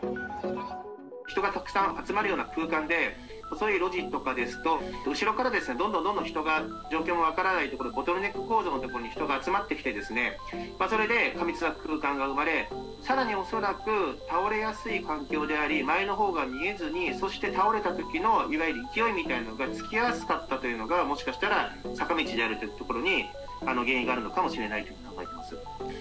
人がたくさん集まるような空間で、細い路地とかですと、後ろから、どんどんどんどん人が状況も分からない所で、ボトルネック構造の所に、人が集まってきて、それで過密な空間が生まれ、さらに恐らく倒れやすい環境であり、前のほうが見えずに、そして倒れたときの、いわゆる勢いみたいなものがつきやすかったというのが、もしかしたら、坂道であるというところに原因があるのかもしれないと考え